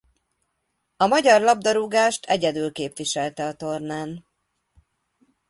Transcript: A magyar labdarúgást egyedül képviselte a tornán.